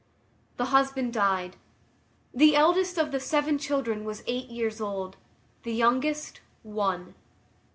The husband died. The eldest of the seven children was eight years old. The youngest, one.